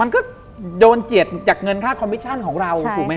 มันก็โดนเจียดจากเงินค่าคอมมิชชั่นของเราถูกไหมฮ